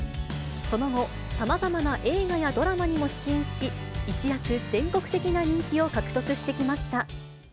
その後、さまざまな映画やドラマにも出演し、一躍、全国的な人気を獲得してきました。